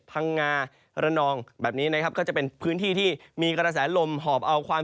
พังงาระนองแบบนี้นะครับก็จะเป็นพื้นที่ที่มีกระแสลมหอบเอาความ